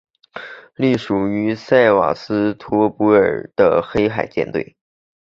隶属于塞瓦斯托波尔的黑海舰队。